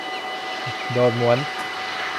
โดนม้วน